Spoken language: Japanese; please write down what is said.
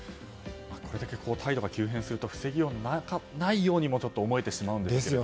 これだけ態度が急変すると防ぎようがないようにもちょっと思えてしまうんですが。